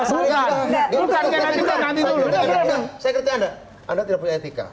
saya kata anda anda tidak punya etika